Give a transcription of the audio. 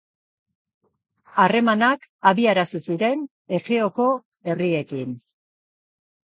Harremanak abiarazi ziren Egeoko herriekin.